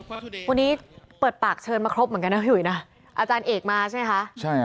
วันนี้เปิดปากเชิญมาครบเหมือนกันนะพี่หุยนะอาจารย์เอกมาใช่ไหมคะใช่